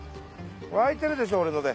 いてるでしょ俺ので。